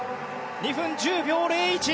２分１０秒０１。